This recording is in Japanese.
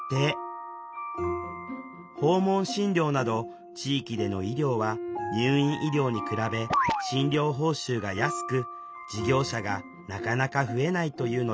訪問診療など地域での医療は入院医療に比べ診療報酬が安く事業者がなかなか増えないというのです。